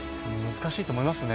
難しいと思いますよ。